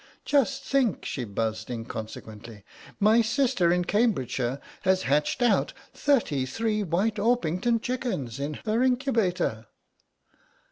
"Just think," she buzzed inconsequently, "my sister in Cambridgeshire has hatched out thirty three White Orpington chickens in her incubator!"